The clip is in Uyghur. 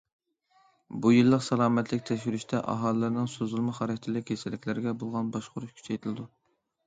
بۇ يىللىق سالامەتلىك تەكشۈرۈشتە ئاھالىلەرنىڭ سوزۇلما خاراكتېرلىك كېسەللىكلىرىگە بولغان باشقۇرۇش كۈچەيتىلىدۇ.